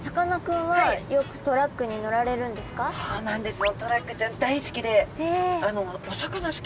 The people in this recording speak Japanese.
そうなんです。